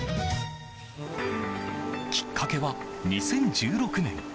きっかけは２０１６年。